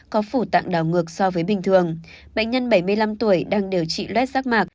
có phủ tạng đảo ngược so với bình thường bệnh nhân bảy mươi năm tuổi đang điều trị luet rác mạc